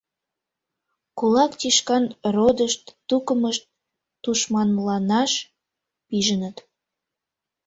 Кулак тӱшкан родышт-тукымышт тушманланаш пижыныт.